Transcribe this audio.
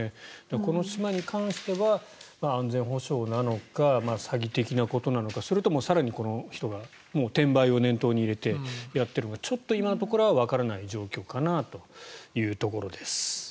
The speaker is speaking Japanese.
この島に関しては安全保障なのか詐欺的なことなのかそれとも更にこの人が転売を念頭に入れてやっているのかちょっと今のところはわからない状況かなと。